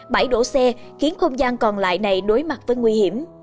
bãi đổ xe khiến không gian còn lại này đối mặt với nguy hiểm